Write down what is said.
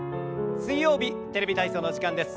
水曜日「テレビ体操」の時間です。